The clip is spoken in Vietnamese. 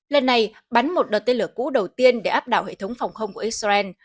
lần này bắn một đợt tên lửa cũ đầu tiên để áp đảo hệ thống phòng không của israel